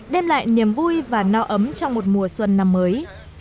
đem lại niềm vui và no ấm trong một mùa xuân năm mới